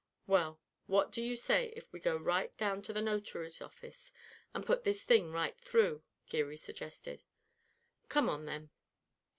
"Well, what do you say if we go right down to a notary's office and put this thing right through," Geary suggested. "Come on, then."